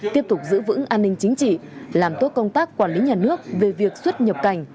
tiếp tục giữ vững an ninh chính trị làm tốt công tác quản lý nhà nước về việc xuất nhập cảnh